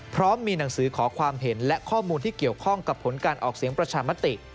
พร้อมมีหนังสือขอความเห็นและข้อมูลที่เกี่ยวข้องกับผลการออกเสียงประชามติ